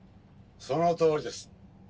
「そのとおりです」